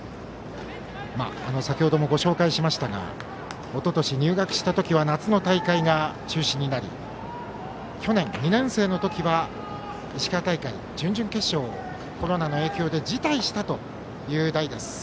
先ほどもご紹介しましたがおととし入学した時は夏の大会が中止になり去年、２年生の時は石川大会準々決勝コロナの影響で辞退したという代です。